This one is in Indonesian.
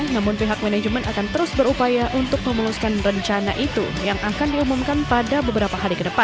namun pihak manajemen akan terus berupaya untuk memuluskan rencana itu yang akan diumumkan pada beberapa hari ke depan